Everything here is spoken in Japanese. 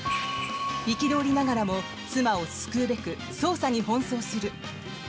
憤りながらも妻を救うべく、捜査に奔走する。